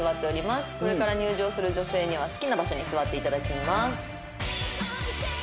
これから入場する女性には好きな場所に座っていただきます。